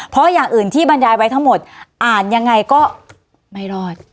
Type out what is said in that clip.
เพราะอย่างอื่นที่บรรยายไว้ทั้งหมดอ่านยังไงก็ไม่รอด